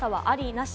なし？